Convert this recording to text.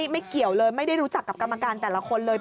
ไม่เกี่ยวเลยไม่ได้รู้จักกับกรรมการแต่ละคนเลย